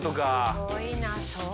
すごいなそうか。